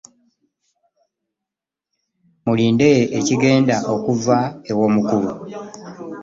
Mulinde ekigenda okuva ew'omukulu.